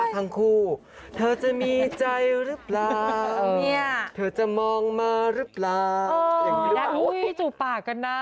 แต่เธอจะมองมารึเปล่ายังงี้ด้วยหรอกท่านอุ้ยจูบปากกันนะ